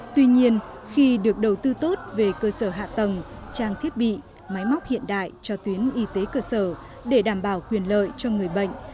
tuy nhiên khi được đầu tư tốt về cơ sở hạ tầng trang thiết bị máy móc hiện đại cho tuyến y tế cơ sở để đảm bảo quyền lợi cho người bệnh